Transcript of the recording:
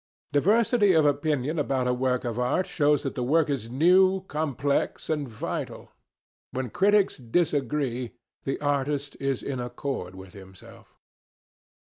Diversity of opinion about a work of art shows that the work is new, complex, and vital. When critics disagree, the artist is in accord with himself.